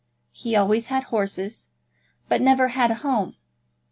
He always had horses, but never had a home.